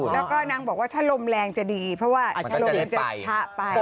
แล้วก็นางบอกว่าถ้าลมแรงจะดีเพราะว่าลมมันจะชะไป